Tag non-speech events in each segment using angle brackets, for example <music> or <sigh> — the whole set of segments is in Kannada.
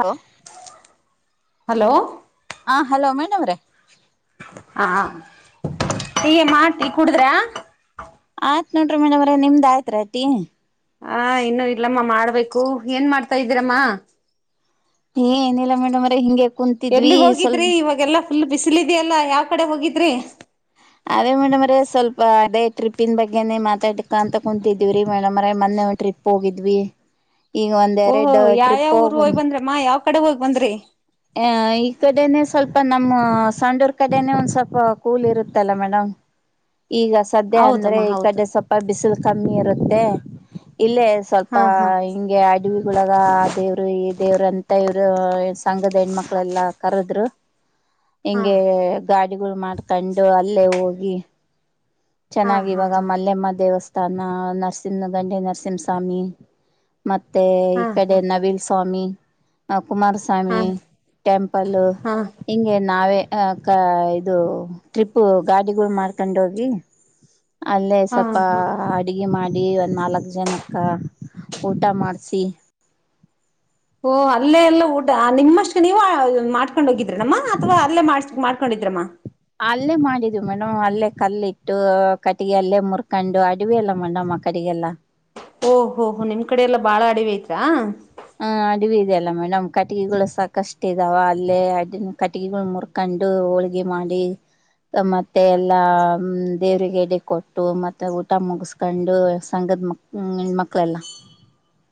ಹಲೋ ಹಲೋ ಹಾ ಹಲೋ ಮೇನವ್ರೆ ಹಾ -ಟಿ ಮಾ ಟೀ ಕುಡುದ್ರ ಮತ್ ನೋಡ್ರಿ ಮೇಡಮ ಅವ್ರ ನಿಮ್ದ್ ಆತ್ರ ಟಿ ಹಾ ಇನ್ನುೂ ಇಲ್ಲಮ್ಮ ಮಾಡ್ಬೇಕು ಏನ್ ಮಾಡ್ತಾ ಇದ್ದೀರಮ್ಮ ಏನಿಲ್ಲಾ ಮೇಡಮ್ ಅವ್ರೆ ಹಿಂಗೆ ಕುಂತಿದ್ವಿ ಎಲ್ಲಿಗ್ ಸ್ವಲ್ ಹೋಗಿದ್ರಿ ಇವಾಗೆಲ್ಲಾ ಫುಲ್ ಬಿಸಿಲಿದೆಯಲ್ಲಾ ಯಾವ್ ಕಡೆ ಹೋಗಿದ್ರಿ ಅದೇ ಮೇಡಮ್ ಅವ್ರೆ ಸ್ವಲ್ಪ ಅದೇ ಟ್ರಿಪ್ನ್ ಬಗ್ಗೆನೆೇ ಮಾತಾಡ್ಕಂತ ಕುಂತಿದೀವ್ರಿ ಮೇಡಮ್ ಅವ್ರೆ ಮೊನ್ನೆಒಂದ್ ಟ್ರಿಪ್ ಹೋಗಿದ್ವಿ ಈಗ ಒಂದ್ ಓಹೋ ಎರಡು ಟ್ರಿಪ್ ಯಾವ್ಯಾವ ಊರು ಹೋಗ್ಬನ್ ಹೋಗ್ ಬಂದ್ರಮ್ಮ ಯಾವ್ ಕಡೆ ಹೋಗಿ ಬಂದ್ರರಿ ಆ ಈ ಕಡೆನೇ ಸ್ವಲ್ಪ ನಮ್ಮ ಸಂಡೂರ್ ಕಡೆನೇ ಒಂದ್ ಸ್ವಲ್ಪ ಕೂಲ್ ಇರುತ್ತಲ್ಲ ಮೇಡಮ್ ಈಗ ಸದ್ಯ ಅಂದ್ರೆ ಹೌದಮ್ಮ ಈ ಹೌದು ಕಡೆ ಸ್ವಲ್ಪ ಬಿಸಿಲು ಕಮ್ಮಿ ಇರುತ್ತೆ <unintelligible> ಹ ಇಲ್ಲೇ ಸ್ವಲ್ಪ ಹಾ ಹಾ ಹಿಂಗೆ ಅಡವಿಗಳೊಳಗ ಆ ದೇವ್ರು ಈ ದೇವ್ರ ಅಂತ ಇವರು ಸಂಗದ ಹೆಣ್ಮಕ್ಳಲ್ಲಾ ಕರದ್- ಹಾ ಹಿಂಗೆ ಗಾಡಿಗಳು ಮಾಡ್ಕೊಂಡು ಅಲ್ಲೇ ಹೋಗಿ ಹಾ ಚೆನ್ನಾಗಿ ಹಾ ಇವಾಗ ಮಲ್ಲೆಮ್ಮ ದೇವತ್ಸ್ ತಾನ ನರಸಿಂಹ ಗಂಡಿ ನರಸಿಂಹಸ್ವಾಮಿ ಮತ್ತೆ ಈ ಹಾ ಕಡೆ ಹಾ ನವಿಲ್ ಸ್ವಾಮಿ ಅಪ್ ಹಾ ಕುಮಾರಸ್ವಾಮಿ ಟೆಂಪಲ್ ಹಾ ಹಿಂಗೆ ನಾವೇ ಆ ಕ ಇದು ಟ್ರಿಪ್ಪು ಗಾಡಿಗಳ್ ಮಾಡ್ಕೊಂಡೋಗಿ ಅಲ್ಲೇ ಹಾ ಸ್ವಲ್ಪ ಹಾ ಅಡುಗೆ ಮಾಡಿ ಡಿ ಒಂದ್ ನಾಲ್ಕ್ ಜನಕ್ಕ ಊಟ ಮಾಡ್ಸಿ ಓಹ ಅಲ್ಲೆಲ್ಲಾ ಊಟ ನಿಮ್ಮಷ್ಟು ನೀವು ಮಾಡ್ಕೊಂಡೋಗಿದ್ರನಮ್ಮ ಅಥವಾ ಅಲ್ಲೇ ಮಾಡ್ಸಕ್ ಮಾಡ್ಕೊಂಡಿದ್ರಮ್ಮ ಅಲ್ಲೇ ಮಾಡಿದ್ವಿ ಮೇಡಮ್ ಅಲ್ಲೇ ಕಲ್ಲ ಇಟ್ಟು ಕಟ್ಟಿಗೆ ಅಲ್ಲೇ ಮುರ್ಕಂಡು ಅಡವಿ ಅಲ್ಲ ಮೇಡಮ್ ಆ ಕಡೆಗೆಲ್ಲ ಓಹಹೋ ಹೋ ನಿಮ್ ಕಡೆ ಎಲ್ಲಾ ಬಾಳ ಅಡವಿ ಐತ್ರಾ ಹ ಅಡವಿ ಇದೆಯ ಅಲ್ಲ ಮೇಡಮ್ ಕಟಗಿಗಳು ಸಾಕಷ್ಟ ಇದಾವ ಅಲ್ಲೇ ಅ ಕಟಗಿಗಳು ಮುರ್ಕೊಂಡು ಹೋಳ್ಗೆ ಮಾಡಿ ಮತ್ತೆ ಎಲ್ಲಾ ದೇವ್ರಿಗೆ ಎಡೆ ಕೊಟ್ಟು ಮತ್ತ ಊಟ ಮುಗಸ್ಕೊಂಡು ಸಂಘದ ಮಕ್ ಹೆಣ್ಮಕ್ಳೆಲ್ಲ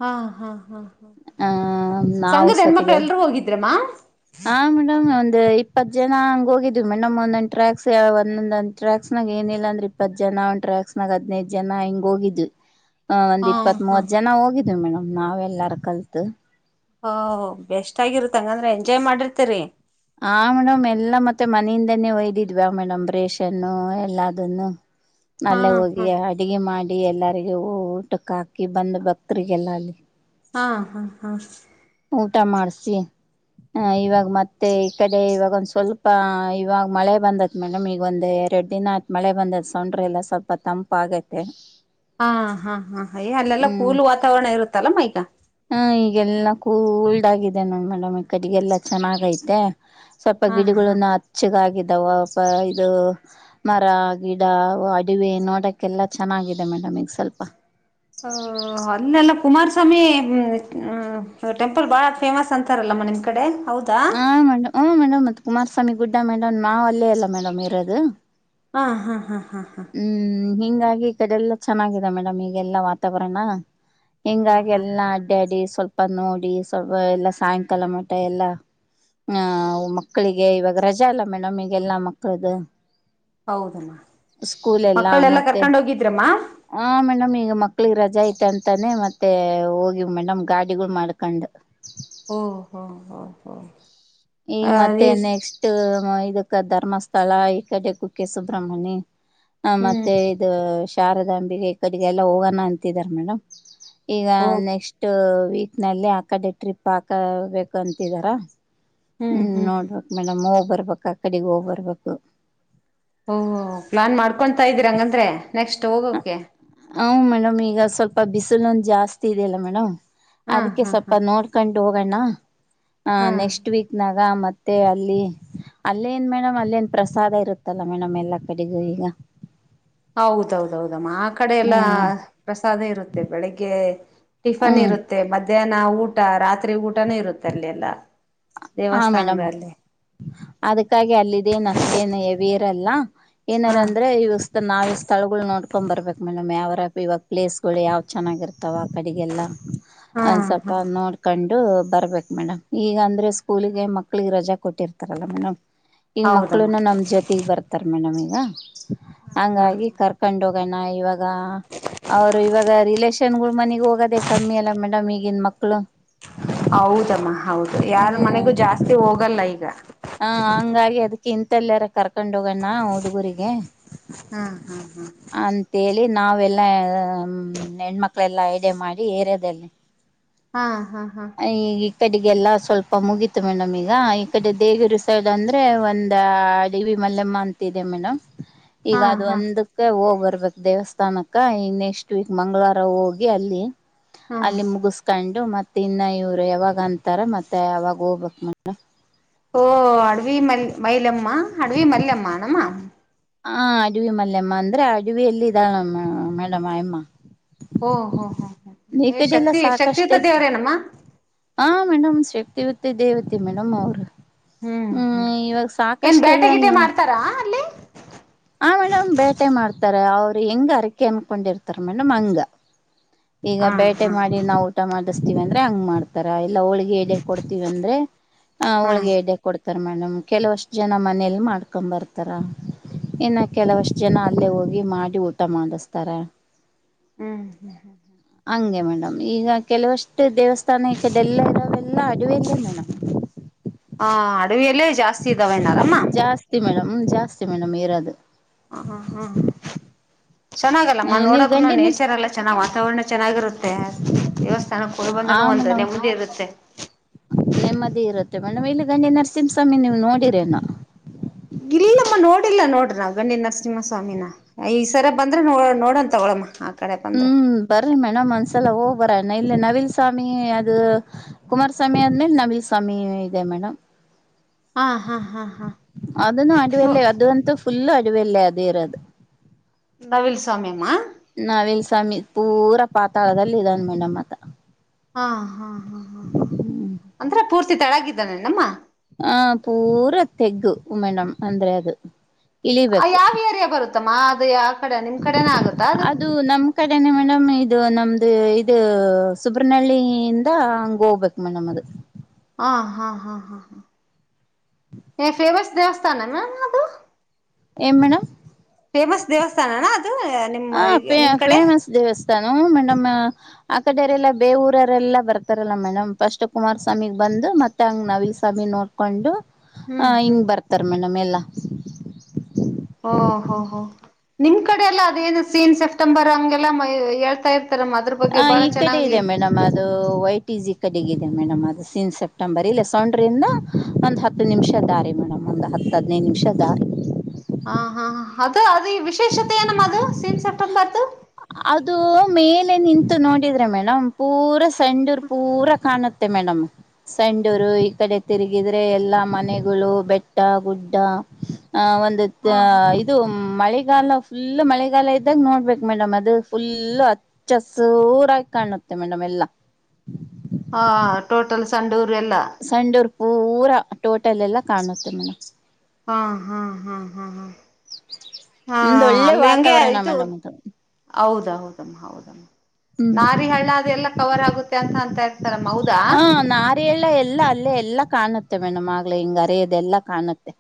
ಹಾ ಹಾ ಹಾ ಹಾ ಹ ನಾವು ಸಂಘದ ಹೆಣ್ಮಕ್ಳ ಸತಿಗೆ ಎಲ್ರೂ ಹೋಗಿದ್ರಮ್ಮ ಆ ಮೇಡಂ ಅಲ್ ಅ ಇಪ್ಪತ್ ಜನ ಹಂಗ ಹೋಗಿದ್ವಿ ಮೇ ನಮ್ ಒಂದೊಂದ್ ಟ್ರ್ಯಾಕ್ಸ್ ಒಂದೊಂದಂದ್ಟ್ರಕ್ಸ್ ನನಾಗ ಏನಿಲ್ಲ ಅಂದ್ರ್ ಇಪ್ಪತ್ ಜನ ಒಂದ ಟ್ರಾಕ್ಸ್ನಾಗ ಹದ್ನೈದ್ ಜನ ಹಿಂಗ್ ಹೋಗಿದ್ವಿ. ಹ ಹಾ ಒಂದ್ ಇಪ್ಪತ್ತ್ ಹಾ ಮೂವತ್ತ್ ಜನ ಹೋಗಿ ಇದು ಮೇಡಮ್ ನಾವ್ ಎಲ್ಲಾರು ಕಲ್ತು ಹ ಬೆಸ್ಟ್ ಆಗಿರುತ್ತಂಗಂದ್ರ ಎಂಜಾಯ್ ಮಾಡಿರ್ತಿರಿ ಹ ಮೇಡಮ್ ಎಲ್ಲಾ ಮತ್ತೆ ಮನೆಯಿಂದನೇ ಒಯ್ದಿದ್ವ ಮೇಡಮ್ ರೆಷನ್ನು ಎಲ್ಲದನ್ನು ಹಾ ಅಲ್ಲೇ ಹೋಗಿ ಹಾ ಅಡುಗೆ ಮಾಡ್ ಡಿ ಎಲ್ಲರಿಗ ಊಟಕ್ಕೆ ಹಾಕಿ ಬಂದ್ ಭಕ್ತರಿಗೆಲ್ಲ ಅಲ್ಲಿ ಹಾ ಹಾ ಹಾ ಊಟ ಮಾಡ್ಸಿ ಆ ಇವಾಗ ಮತ್ತೆ ಈ ಕಡೆ ಇವಾಗೊಂದ್ ಸ್ವಲ್ಪ ಇವಾಗ ಮಳೆ ಬಂದತ್ ಮೇಡಮ್ ಈಗ ಒಂದ್ ಎರಡ್ ದಿನ ಆತ್ ಮಳೆ ಬಂದದ ಸೊಂಡ್ರೆ ಎಲ್ಲ ಸ್ವಲ್ಪ ತಂಪ ಆಗೈತೆ. ಹಾ ಹಾ ಹಾ ಹಯ ಅಲ್ಲೆಲ್ಲಾ ಕೂಲ್ ವಾತಾವರಣ ಇರು ತಲ್ಲ ಮಾಯಕ ಹಾ ಈಗೆಲ್ಲ ಕೂಲ್ಡ್ ಆಗಿದೆ ನ ಮೇಡಮ್ ಈ ಕಡೆಗೆಲ್ಲಾ ಚೆನ್ನಾಗೈತೆ ಸ್ವಲ್ಪ ಹಾ ಹಾ ಗಿಡಗಳನ್ನ ಹಚ್ಚಗಾಗಿದ್ ತಾವ ಪ ಇದು ಮರ ಗಿಡ ಅಡಿವೆ ನೋಡಕ್ಕೆಲ್ಲ ಚೆನ್ನಾಗಿದೆ ಮೇಡಮ್ ಈಗ ಸ್ವಲ್ಪ ಹ ಅಲ್ಲೆಲ್ಲ ಕುಮಾರಸ್ವಾಮಿ ಟೆಂಪಲ್ ಬಾಳ ಫೇಮಸ್ ಅಂತಾರಲ್ಲಮ್ಮ ನಿಮ್ ಕಡೆ ಹೌದಾ ಹ ಮೇಡಮ್ ಹ ಮೇಡಮ್ ಮತ್ತೆ ಕುಮಾರಸ್ವಾಮಿ ಗುಡ್ಡ ಮೇಡಮ್ ನಾವ್ ಅಲ್ಲೇ ಅಲ್ಲ ಮೇಡಮ್ ಇರೋದು. ಹಾ ಹಾ ಹಾ ಹಾ ಹ್ಮ್ ಹಿಂಗಾಗ್ ಈ ಕಡೆಲ್ಲ ಚೆನ್ನಾಗಿದೆ ಮೇಡಮ್ ಈಗೆಲ್ಲಾ ವಾತಾವರಣ ಹಿಂಗಾಗಿ ಎಲ್ಲಾ ಅಡ್ಯಾಡಿ ಸ್ವಲ್ಪ ನೋಡಿ ಸ್ವಲ್ ಎಲ್ಲಾ ಸಾಯಂಕಾಲ ಮಠ ಎಲ್ಲ ಹ ಮಕ್ಕಳಿಗೆ ಇವಾಗ ರಜೆ ಅಲ್ಲ ಮೇಡಮ್ ಈಗೆಲ್ಲಾ ಮಕ್ಕಳ್ದ ಹೌದಮ್ಮ ಸ್ಕೂಲ್ ಎಲ್ಲಾ ಮಕ್ಕಳೆಲ್ಲಾ ಮತ್ತೆ ಕರ್ಕೊಂಡ್ ಹೋಗಿದ್ರಮ್ಮ ಆ ಮೇಡಮ್ ಈಗ ಮಕ್ಳಿಗೆ ರಜಾ ಐತೆ ಅನ್ ತಾನೆ ಮತ್ತೆ ಹೋಗಿವ್ ಮೇಡಮ್ ಗಾಡಿಗಳು ಮಾಡ್ಕೊಂಡ್ ಒಹ್ ಹೊ ಈಗ ಮತ್ತೆ ನೆಕ್ಸ್ಟ್ ಇದ್ ಕ ಧರ್ಮಸ್ಥಳ ಈಕಡೆ ಕುಕ್ಕೆ ಸುಬ್ರಹ್ಮಣಿ ಹ ಹ್ಮ್ ಮತ್ತೆ ಇದು ಶಾರದಾಂಬಿಗೆ ಕಡಿಗೆ ಎಲ್ಲ ಹೋಗೋಣ ಅಂತಿದಾರ ಮೇಡಮ್ ಈಗ ಓ ನೆಕ್ಸ್ಟ್ ವೀಟ್ ನಲ್ಲ ಆ ಕಡೆ ಟ್ರಿಪ್ ಹಾಕಬೇಕು ಅಂತಿದಾರ ಹ್ಮ್ ನೋಡ್ಬೇಕಕ್ ಮೇಡಮ್ ಹೋಗ ಬರ್ಬೇಕಕ್ ಆ ಕಡೆಿಗೆ ಹೋಗ್ ಬರ್ಬೇಕು ಓ ಪ್ಲಾನ್ ಮಾಡ್ಕೊತಾ ಇದ್ದೀರ ಹಂಗಂದ್ರೆ ನೆಕ್ಸ್ಟ್ ಹೋಗೋಕೆ ಹ ಮೇಡಮ್ ಈಗ ಸ್ವಲ್ಪ ಬಿಸಿ ಲ್ೊಂದು ಜಾಸ್ತಿ ಇೆಯಲ್ಲ ಮೇಡಮ್ ಹಾ ಅದಕ್ಕೆ ಹಾ ಹಾ ಸ್ವಲ್ಪ ನೋಡ್ಕೊಂಡು ಹೋಗೋಣ್ಣ ಹ ಹಾ ನೆಕ್ಸ್ಟ್ ವೀಕ್ ನಾಗ ಮತ್ೆ ಮತ್ತೆ ಅಲ್ಲಿ ಅಲ್ಲೇನ್ ಮೇಡಮ್ ಅಲ್ಲೇನ್ ಪ್ರಸಾದ ಇರುತ್ತಲ್ಲ ಮೇಡಮ್ ಎಲ್ಲ ಕಡೆಗೂ ಈಗ ಹೌದೌದೌದು ಮ್ಮ ಆ ಕಡೆ ಎಲ್ಲ ಹ್ಮ್ ಪ್ರಸಾದ ಇರುತ್ತೆ ಬೆಳಿಗ್ಗೆ ಟಿಫನ್ ಹ್ಮ್ ಇರುತ್ತೆ ಮೆ ಮಧ್ಯಾಹ್ನ ಊಟ ರಾತ್ರಿ ಊಟನೂ ಇರುತ್ತೆ ಅಲ್ಲಿ ಎಲ್ಲ ಹಾ ಮೇಡಮ್ ದೇವಸ್ಥಾನಗಳಲ್ಲಿ ಅದಕ್ಕಾಗಿ ಅಲ್ಲಿದ್ದೇನ್ ಅಷ್ಟೇನು ಎವಿ ಎಲ್ಲ ಏನಾರ ಹಾ ಅಂದ್ರೆ ಇವ ನಾವವು ಸ್ಥಳಗಳು ನೋಡ್ಕೊಂಡ ಬರ್ಬೇಕು ಮೇಡಮ್ ಯಾವರ ಇವಾಗ ಪ್ಲೇಸ್ಗಳು ಯಾವ್ ಚೆನ್ನಾಗಿರ್ತಾವ ಆ ಕಡೆಗೆಲ್ಲ ಹಾ ಒಂದ ಹಾ ಸ್ವಪ ನೋಡ್ಕೊಂಡು ತರ್ಬೇಕು ಮೇಡಮ್ ಈಗ ಅಂದ್ರೆ ಸ್ಕೂಲಿಗೆ ಮಕ್ಕಳಿಗೆ ರಜಾ ಕೊಟ್ಟಿರ್ತಾರಲ್ಲ ಮೇಡಮ್ ಈಗ ಹೌದಮ್ಮ ಮಕ್ಳುನು ನಮ್ ಜೊತೆಗ್ ಬರ್ತಾರ ಮೇಡಮಗ ಹಾ ಹಾ ಹಂಗಾಗಿ ಕರ್ಕೊಂಡ ಹೋಗ ಹೋಗಣ ಇವಾಗ ಅವರು ಇವಾಗ ರಿಲೇಷನ್ ಗಳು ಮನಗ್ ಹೋಗದೆೇ ಕಮ್ಮಿ ಅಲ್ಲ ಮೇಡಮ್ ಈಗನ್ ಮಕ್ಳು ಹೌದಮ್ಮ ಹೌದು ಯಾರ ಮನೆಗೂ ಜಾಸ್ತಿ ಹೋಗಲ್ಲ ಈಗ ಹಾ ಹಂಗಾಗಿ ಅದಕ್ಕೆ ಇಂತಲ್ಲಯಾರ ಕರ್ಕೊಂಡ ಹೋಗಣ್ಣ ಹಡುಗುರಿಗೆ ಹ್ಮ ಹ್ಮ್ ಅಂತ ನಾವೆಲ್ಲಾ ಹೆಣ್ಮಕ್ಳ ಎಲ್ಲ ಐಡೆ ಮಾಡಿ ಏರ್ಯೋದೆಲ್ಲಿ ಹಾ ಹಾ ಹಾ ಈ ಕಡೆಗೆಲ್ಲ ಸ್ವಲ್ಪ ಮುಗೀತು ಮೇಡಮ್ ಈಗ ಈ ಕಡೆ ದೇವಿರು ಸೈಡ್ ಅಂದ್ರೆ ಒಂದ ಅಡಿವಿ ಮಲ್ಲಮ್ಮ ಅಂತದೆ ಮೇಡಮ್ ಈಗ ಹಾ ಅದು ಹಾ ಒಂದು ಹೋಗ್ ಬರ್ಬೇಕಕ್ ದೇವಸ್ಥಾನಕ್ಕ ಈ ನೆಕ್ಸ್ಟ್ ವೀಕ್ ಮಂ್ಗಳವಾರ ಹೋಗಿ ಅಲ್ಲಿ ಹಾ ಅಲ್ಲಿ ಮುಗಿಸಕೊಂಡು ಮತ್ತೆ ತಿ ಇನ್ನ ಇವರು ಯಾವಾಗ ಅಂತಾರ ಮತ್ತೆ ಯಾವಾಗ ಹೋಗ್ಬೇಕಕ್ ಮ ಓ ಅಡುವಿ ಮಲ್ ಮೈಲಮ್ಮ ಅಡುವಿ ಮಲ್ಮ್ಮ ನಮ್ಮ ಹ ಅಡವಿ ಮಲ್ಲಯಮ್ಮ ಅಂದ್ರೆ ಅಡವಿ ಎಲ್ಲಿ ಇದ್ದಾಳಮ್ಮ ಮೇಡಮ್ಮ ಅಮ್ಮ ಓ ಹೊ ಹ ಹ ಶಕ್ತಿ ಶಕ್ತಿಿತ ಸಾಕಷ್ಟೇ ದೇವರೇ ನಮ್ಮ ಹಾ ಮೇಡಮ್ ಶಕ್ತಿವತ್ತ ದೇವತೆ ಮೇಡಮ್ ಅವರು ಹ್ಮ್ ಹ್ಮ್ ಇವಾಗ ಏನ್ ಸಾಕಷ್ಟೆಲ್ಲ ಬೇಟೆ ಗಿಟ ಇವ ಮಾಡ್ತಾರಾ ಅಲ್ಲಿ ಆ ಮೇಡಮ್ ಬೇಟೆ ಮಾಡ್ತಾರ ಅವ್ರ ಹೆಂಗ ಅರಕೆ ಅನ್ಕೊಂಡಿರ್ತಾರ ಮೇಡಮ್ ಹಂಗ ಈಗ ಹಾ ಬೇಟೆ ಹಾ ಮಾಡಿ ನಾವು ಊಟ ಮಾಡ್ವಿ ಸ್ತೀವಿ ಅಂದ್ರೆ ಹಂಗ್ ಮಾಡ್ತಾರ ಇಲ್ಲ ಹೋಳ್ಿಗೆ ಕೊಡ್ತೀವಂದ್ರೆ ಹಾ ಹುಳ್ಗೆ ಹಡ್ಡ ಕೊಡ್ತ ತಾರೆ ಮೇಡಮ್ ಕೆಲವಷ್ಟು ಜನ ಮನೇಲಿ ಮಾಡ್ಕೊಂಬರ್ತಾರಾ ಇನ್ನು ಕೆಲವಷ್ಟ್ ಜನ ಅಲ್ಲೇ ಹೋಗಿ ಮಾಡಿ ಊಟ ಮಾಡಿಸತಾರ ಹ್ಮ್ ಹ್ಮ್ ಹ್ಮ್ ಹಂಗೆ ಮೇಡಮ್ ಈಗ ಕೆಲವಷ್ಟ ದೇವಸ್ಥಾನಡೆ ಎಲ್ಲ ಎಲ್ಲಾ ಅಡಿವೆ ಎಲ್ಲ ವೇಣ ಹಾ ಅಡವಿಯಲ್ಲೇ ಜಾಸ್ತಿ ಇದಾವೆಣ್ಣಾರಮ್ಮ ಜಾಸ್ತಿ ಮೇಡಮ್ ಜಾಸ್ತಿ ಮೇಡಮ್ ಏರಾದು ಹ ಹ ಹ್ಮ್ ಚೆನ್ನಾಗಲ್ಲಮ್ಮ ನೀವು ನೋಡಕ ಗಂಡಿ ನರ್ಸ್ ನೇಚರ್ ಎಲ್ಲ ಚೆನ್ನ ವಾತಾವರಣ ಚೆನ್ನಾಗಿರುತ್ತೆ ದೇವಸ್ಥಾನಕ್ಕೆ ಹೋಗಿ ಆ ಬಂದ್ರ ಒಂದು ಮೇಡಮ್ ನೆಮ್ಮದಿ ಇರುತ್ತೆ ಮ ಬಣ್ಣ ಮಲು ಗಂಡಿ ನರಸಿಂಹಸ್ವಾಮಿ ನೀವು ನೋಡಿರ ಅಣ ಇಲ್ಲಮ್ಮ ನೋಡಿಲ್ಲ ನೋಡ್ರ ನ್ ಗಂಡಿ ನರಸಿಂಹ ಸ್ವಾಮಿನ ಈ ಸರ ಬಂದ್ರೆ ನೋ ನೋಡನ್ ತಗೊಳಮ್ಮ ಕಡೆ ಬಂದ್ರೆ ರಿ ಮೇಡಮ್ ಒಂದ್ಸಲ ಹೋಗ್ ಬರಣ್ಣ ಇಲ್ಲ ನವಿಲ್ ಸ್ವಾಮಿ ಅದು ಕುಮಾರಸ್ವಾಮಿ ಆದ್ಮೇಲೆ ನವಿಲ್ ಸ್ವಾಮಿ ಇದೆ ಮೇಡಮ್ ಹಾ ಹಾ ಹಾ ಹಾ ಅದನ್ನು ನೋ ಅಡಿವಲ್ಲ ಅದು ಅಂತೂ ಫುಲ್ ಅಡುವ ಇಲ್ಲ ಅದೇ ಇರ ಅ ನವಿಲ್ ಸ್ವಾಮಿಮ್ಮ ನಾವಿಲ್ ಸಮೀ ಪೂರಾ ಪಾತಾಳದಲ್ಲಿ ಇದಾನ ಮೇಡ್ತ ಹಾ ಹಾ ಹ್ಮ ಹ್ಮ್ ಹ್ಮ್ ಅಂದ್ರೆ ಪೂರ್ತಿ ತಳಗಿದ ನಮ್ಮ ಹಾ ಪೂರಾ ತೆಗ್ಗು ಮೇಡಮ್ ಅಂದ್ರೆ ಅದು ಇಳಿಬೇಕು ಯಾವ ಏರಿಯಾ ಬರುತ್ತೆ ತಮಾಧೆಯ ಅದು ನಮ್ ಕಡೆನೆ ಮೇಡಮ್ ಇದು ನಮ್ದ ಅ ಇದು ಸುಬ್ರನಹಳ್ಳಿಯಿಂದ ಹಂಗ ಹೋಗ್ಬೇಕ ಮ ನಮ್ಮ ಅದು ಹಾ ಹಾ ಹಾ ಹಾ ಹ ಫೇಮಸ್ ದೇವಸ್ಥಾನಮ್ಮ ಅದು ಏನ್ ಮೇಡಂ ಫೆಮಸ್ ದೇವಸ್ಥಾನ ನಾ ಹ ೇ ಫೇಮಸ್ ದೇವಸ್ಥಾನ ಮಮ್ಮ ಆ ಕಡೆಯರೆಲ್ಲ ಬೇ ಊರರೆಲ್ಲ ಬರ್ತಾರಲ್ಲ ಮೇಡಮ್ ಫಸ್ಟ್ ಕುಮಾರಸ್ವಾಮಿಗೆ ಬಂದು ಮತ್ತುತ್ತ ಹಂಗೆ ನವ ಸ್ವಾಮಿ ನೋಡಿಕೊಂಡು ಹ ಹ್ಮ್ ಹಿಂಗ್ ಹ್ಮ್ ಬರ್ತಾರ ಮೇಡಮ್ ಎಲ್ಲಾ ಓ ಹೋ ಹೋ ನಿಮ್ ಕಡೆ ಎಲ್ಲ ಅದೇನು ಸೀನ್ ಸೆಪ್ಟೆಂಬರ್ ಹಂಗೆಲ್ಲಾ ಹೇಳ್ತಾ ಇರ್ ಹ ಈ ಕಡೆ ಇದೆ ಮೇಡಮ್ ಅದು ವೈಟಸ್ ಈ ಕಡೆಗದೆ ಮೇಡಮ್ ಅದು ಸೀನ್ ಸೆಪ್ಟೆಂಬರ್ ಇಲ್ಲ ಸೌೊಂಡ್ರಿಂದ ಒಂದಂದು ಹತ್ತು ನಿಮಿಷ ದಾರಿ ಮೇಡಮ್ ಒಂದು ಹತ್ತು ಹದ್ನೈ ನಿಮಿಷ ದಾರಿ ಹ ಹಾ ಅದ ಅದ ವಿಶೇಷತೆ ಏನಮ್ಮ ಅದು ಸೀನ್ ಸೆಪ್ಟೆಂಬರ್ದು ಅದು ಮೇಲೆ ನಿಂತು ನೋಡಿದ್ರೆ ಮೇಡಮ್ ಪೂರ ಸೆಂಡೂರ್ ಪೂರ ಕಾಣ ಮತ್ತ ಮೇಡಮ್ ಸಂಡೂರು ಈ ಕಡೆ ತಿರುಗಿದ್ರೆ ಎಲ್ಲಾ ಮನೆಗಳು ಬೆಟ್ಟ ಗುಡ್ಡ ಆ ಒಂದು ಹ ಇದು ಮಳೆಗಾಲ ಫುಲ್ ಮಳೆಗಾಲ ಇದ್ದ ಇದಾಗ ನೋಡ್ಬೇಕಕ್ ಮೇಡಮ್ ಅದು ಫುಲ್ು ಹಚ್ಚಸೂರಾಗಿ ಕಾಣುತ್ತೆ ಮೇಡಮ್ ಎಲ್ಲಾ ಹಾ ಟೋಟಲ್ ಸಂಡೂರು ಎಲ್ಲ ಸಂಡೂರ್ ಪೂರಾ ಟೋಟಲ್ ಎಲ್ಲ ಕಾಣುತ್ತೆ ಮೇಡಮ್ ಹಾ ಹಾ ಹಾ ಹಾ ಹಾ ಹಾ ಒಮ್ದ್ ಒಳ್ಳೆ ಅಲ್ಲಿ ವಾತಾವರಣ ಮೇಡಮ್ ಅಂತ ಹೌದೌದ್ ಹೌದಮ್ ನಾರಿ ಹಳ್ಳ ಅದೆಲ್ಲಾ ಕವರ್ ಆಗುತ್ತೆ ಅಂತ ಅಂತ ಇರ್ತಾರ ಮೌದ ಎಲ್ಲ ಎಲ್ಲ ಅಲ್ಲೇ ಎಲ್ಲಾ ಕಾಣುತ್ತೆ ಮೇಡಮ್ ಆಗ್್ಲ ಹಿಂಗ ಅರದೆ ಎಲ್ಲಾ ಕಾಣುತ್ತೆ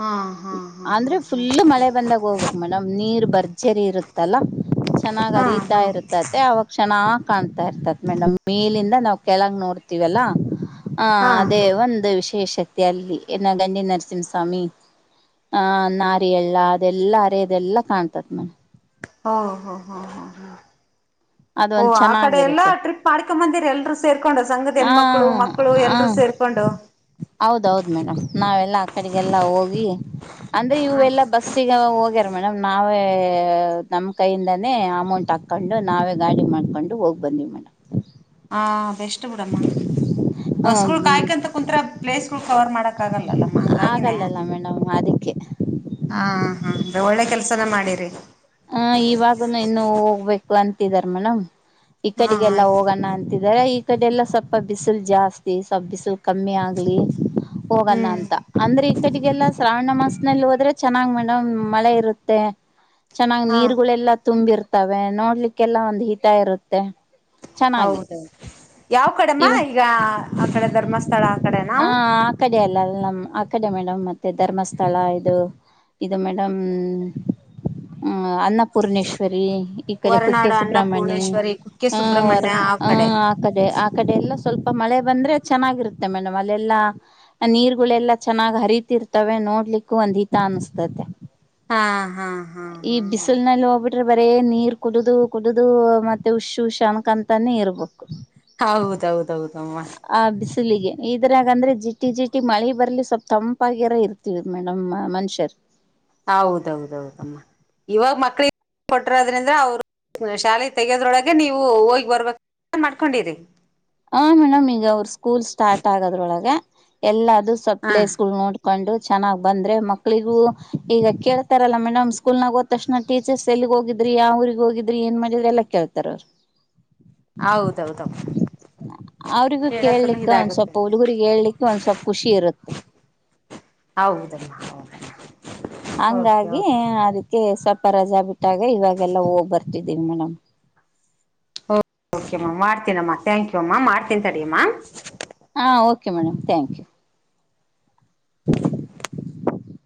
ಹಾ ಹಾ ಹಾ ಅಂದ್ರೆ ಫುಲ್ು ಮಳೆ ಬಂದಾಗ ಹೋಗ್ಬೇಕು ಮೇಡಮ್ ನೀರ್ ಭರ್ಜರಿ ಇರುತ್ತಲ್ಲ ಚೆನ್ನಾಗ್ ಹಾ ಅರಿತಾ ಹಾ ಇರುತ್ತತ್ತ ಅವ ಚೆನ್ನಾಗಿ ಕಾಣ್ತಾ ಇರ್ತತ್ ಮೇಡಮ್ ಮೇಲಿಂದ ನಾವ್ ಕೆಳಗ್ ನೋಡ್ತಿವಲ್ಲಾ ಹಾ ಅದೇ ಒಂದು ವಿಷ ವಿಶೇಷತೆ ಅಲ್ಲಿ ನ ಗಂಡಿ ನರಸಿಂಹಸ್ವಾಮಿ ಆಹ ನಾರ ಎಳ್ಳ ಅದೆಲ್ಲಾ ಅರೆ ಇದೆಲ್ಲಾ ಕಾಣ್ತತ್ ಮೇಡಂ ಹ ಹ ಹಾ ಹಾ ಹಾ ಓ ಅದೊಂದ್ ಆ ಕಡೆ ಎಲ್ಲಾ ಚೆನ್ನಾಗಿರುತ್ತೆ ಟ್ರಿಪ್ ಮಾಡ್ಕೊಂಬಂದಿರ ಎಲ್ರುೂ ಸೇರ್ಕೊಂಡು ಸಂಘದ ಹೆಣ್ಮಕ್ಳು ಮಕ್ಕಳು ಹ ಎಲ್ರುೂ ಹ ಸೇರ್ಕೊಂಡು ಹೌದೌದು ಮೇಡಮ್ ನಾವೆಲ್ಲಾ ಆ ಕಡೆಗೆಲ್ಲ ಹೋಗಿ ಅಂದ್ರೆ ಹ ಇವೆ ಎಲ್ಲಾ ಬಸ್ಸಿಗೆ ಹೋಗ್ಯ ಮೇಡಮ್ ನಾವೇ ನಮ್ಮ್ ಕೈಯಿಂದಾನೇ ಅಮೌಂಟ್ ಹಾಕೊಂಡು ನಾವೇ ಗಾಡಿ ಮಾಡಿಕೊಂಡು ಹೋಗಿ ಬಂದಿವವಿ ಮೇಡಮ್ ಹ ಬೆ ಬ ಹ್ಮ ಕ ಪಲೇಸ್ ಕವರ್ ಮಾಡಕ್ ಆಗಲ್ಲಲ್ಲಮ್ಮ ಹಂಗಾಗಿನೇ ಆಗಲ್ಲಲ್ಲ ಮೇಡಮ್ ಅದಕ್ಕೆ ಹ ಹಾ ಅೆ ಒಳ್ಳೆ ಕೆಲ್ಸನ ಮಾಡಿರಿ ಹ ಇವಾಗನು ಇನ್ನು ಹೋಗ್ಬೇಕು ವಂತಿಧರ್ಮನಂ ಈ ಹಾ ಕಡೆಿಗೆಲ್ಲಾ ಆಯ್ತು ಹೋಗೋಣ ಅಂತಿದ ಇದ ಈ ಕಡೆ ಎಲ್ಲ ಸ್ವಲ್ಪ ಬಿಸಿಲು ಜಾಸ್ತಿ ಸ್ವಪ ಬಿಸಿಲು ಕಮ್ಮಿ ಆಗ್ಲಿ ಹೋಗಣ ಹ್ಮ್ ಅಂತ ಅಂದ್ರೆ ಈ ಕಡೆಿಗೆಲ್ಲಾ ಶ್ರಾವಣ ಮಾಸನಲ್ಲಿ ಹೋದ್ರೆ ಚೆನ್ನಾಗ್ ಮೇಡಮ್ ಮಳೆ ಇರುತ್ತೆ ಚೆನ್ನಾಗ್ ಹಾ ನೀರುಗಳೆಲ್ಲ ತುಂಬಿರ್ತವೆ ನೋಡ್ಲಿಕ್ಕೆಲ್ಲ ಒಂದ್ ಹಿತ ಇರುತ್ತೆ ಚೆನ್ನಾಗಿ ಹೌದ ಯಾವ ಕಡೆಮ್ಮ ಇವ ಈಗ ಆ ಕಡೆ ಧರ್ಮಸ್ಥಳ ಆ ಹ ಕಡೆನಾವು ಆ ಕಡೆ ಅಲ್ಲ ಅ ನಮ್ ಆ ಕಡೆ ಮೇಡಮ್ ಮತ್ತೆ ಧರ್ಮಸ್ಥಳ ಇದು ಇದು ಮೇಡಮ್ ಹ್ಮ ಅನ್ನಪೂರ್ಣೇಶ್ವರಿ ಈ ಕಡೆ ಕುಕ್ಕೆ ಹೊರನಾಡು ಸುಬ್ರಹ್ಮಣಿ ಅನ್ನಪೂರ್ಣೇಶ್ವರಿ ಕುಕ್ಕೆ ಆ ವರ್ ಸುಬ್ರಹ್ಮಣ್ಯ ಆ ಕಡೆ ಕಡೆ ಆ ಕಡೆ ಎಲ್ಲ ಸ್ವಲ್ಪ ಮಳೆ ಬಂದ್ರೆ ಚೆನ್ನಾಗಿರುತ್ತೆ ಮೇಡಮ್ ಅಲ್ಲೆಲ್ಲಾ ನೀರ್ಗಳೆಲ್ಲಾ ಚೆನ್ನಾಗ್ ಹರಿತಿರ್ತವೆ ನೋಡ್ಲಿಕ್ಕೂ ಒಂದ್ ಹಿತ ಅನಸ್ತತೆ ಹಾ ಹಾ ಹಾ ಈ ಹಾ ಹಾ ಬಿಸಲ್ ನಲ್ ಒಬ ಬರೇ ನೀರ್ ಕುಡು ಕುಡುದು ಮತ್ತೆ ಹುಷು ಶಣಕ ಅಂತಾನೆ ಇರ್ಬೋು ಹೌದೌದೌದಮ್ಮ ಲಿಗೆ ಇದ್ರಾಗ ಅಂದ್ರೆ ಜಿಟಿ ಜಿಟಿ ಮಳಿ ಬರ್ಲಿ ಸ್ವಲ್ಪ್ ತಂಪಾಗಿಾರ ಇರ್ತದ ಮೇಡಮ್ ಮನುಷ್ಯರ್ ಹೌದೌದೌದಮ್ಮ ಇವಾಗ ಮಕ್ಳಿಗೆ ಕೊಟರದ್ರಿಂದ್ರ ಅವ್ರು ಶಾಲೆಗೆ ತೆಗೋದ್ರೊಳಗೆ ನೀವು ಹೋಗಿ ಬರ್ಬೇಕ ಮಾಡ್ಕೊಂಡಿರಿ ಹ ಮೇಡಮ್ ಈಗ ಅವರು ಸ್ಕೂಲ್ ಸ್ಟಾರ್ಟ್ ಆಗೋದ್ರೊಳಗೆ ಎಲ್ಲ ಇದು ಸ್ವಲ್ ಹ ಪ್ಲೇಸ್ಗಳು ನೋಡಿ ಕೊಂಡು ಚೆನ್ನಾಗ್ ಬಂದ್ರೆ ಮಕ್ಳಿಗೂ ಈಗ ಕೇಳ್ತಾರಲ್ಲಾ ಮೇಡಮ್ ಸ್ಕೂಲ್ ನಾಗ ಹೋದ ತಕ್ಷಣ ಟೀಚರ್ಸ್ ಎಲ್ಲಿಗ್ ಹೋಗಿದ್ರಿ ಯ ್ರಗ ಹೋಗಿದ್ರಿ ಏನ್ ಮಾಡಿದ್ರಿ ಎಲ್ಲಾ ಕೇಳ್ತಾರ ಅವರು ಹೌದೌದೌ ಅವ್ರಿಗೂ ಕೇಳ್ಲಿಕ್ಕೆ ಒಂದ್ ಸ್ವಲ್ಪ ಹುಡುಗುರಿಗೆಗ್ ಹೇಳ್ಲಿಕ್ಕೆ ಒಂದ್ ಸ್ವಲ್ಪ ಖುಷಿ ಇರುತ್ತೆ ಹೌದಲ್ಮ್ಮ ಹೌದ ಹಂಗಾಗಿ ಅದಕ್ಕೆ ಸ್ವಲ್ಪ ರಜಾ ಬಿಟ್ಟಾಗ ಇವಾಗೆಲ್ಲ ಹೋಗ್ಬರ್ ಿದ್ದೀ ಮೇಡಮ ಮಾಡ್ತೀನಮ್ಮ ಥ್ಯಾಂಕ್ ಯು ಅಮ್ಮ ಮಾಡ್ತನ್ ತಡಮ್ಮ ಹಾ ಓಕೆ ಮೇಡಮ್ ಥಾಂಕ್ ಯು